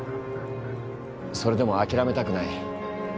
それでも諦めたくない。